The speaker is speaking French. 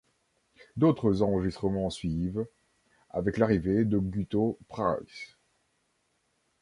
D'autres enregistrement suivent, avec l'arrivée de Guto Pryce.